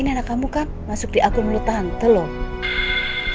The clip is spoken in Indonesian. ini anak kamu kan masuk di akun mulut tante loh